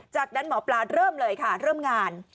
จากนั้นหมอปลาเริ่มเลยค่ะเริ่มงาน